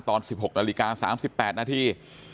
ตอน๑๖นาฬิกา๓๘นาที